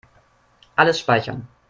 Alles speichern.